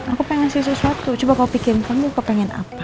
aku pengen ngasih sesuatu coba kau pikirin kamu kau pengen apa